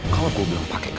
kalau gue bilang pake kali ini